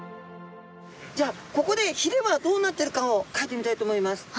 じゃあここでひれはどうなってるかをかいてみたいと思います。